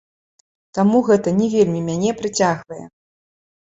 Таму гэта не вельмі мяне прыцягвае.